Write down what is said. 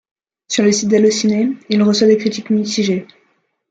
Sur le site d'Allociné, il reçoit des critiques mitigées.